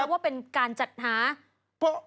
ว่าเป็นการจัดหา